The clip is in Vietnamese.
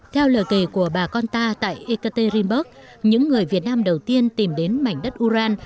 theo lời kể của bà con ta tại ekaterinburg những người việt nam đầu tiên tìm đến mảnh đất uran